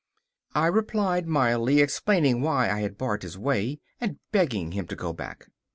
I replied mildly, explaining why I had barred his way, and begging him to go back.